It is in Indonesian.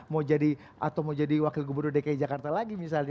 mau jadi atau mau jadi wakil gubernur dki jakarta lagi misalnya